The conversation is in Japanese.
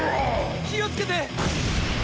気をつけて！